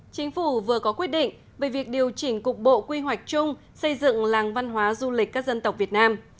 chính phủ vừa có quyết định về việc điều chỉnh cục bộ quy hoạch chung xây dựng làng văn hóa du lịch các dân tộc việt nam